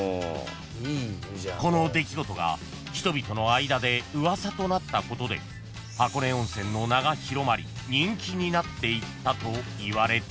［この出来事が人々の間で噂となったことで箱根温泉の名が広まり人気になっていったといわれている］